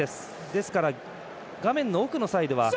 ですから、画面の奥のサイドは。